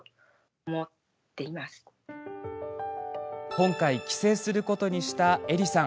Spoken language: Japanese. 今回、帰省することにしたえりさん。